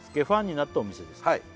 「ファンになったお店です